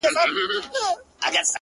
كه به زما په دعا كيږي-